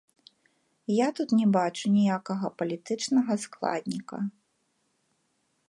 Я тут не бачу ніякага палітычнага складніка.